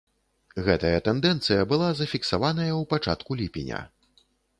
Гэтая тэндэнцыя была зафіксаваная ў пачатку ліпеня.